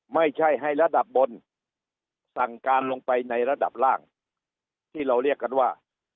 ไม่ใช่ให้ระดับบนสั่งการลงไปในระดับล่างที่เราเรียกกันว่า